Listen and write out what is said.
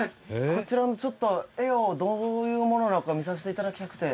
こちらの絵をどういうものなのか見させて頂きたくて」